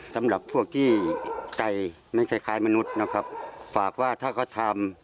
สำหรับพวกที่ใจไม่คล้ายคล้ายมนุษย์นะครับฝากว่าถ้าเขาทำ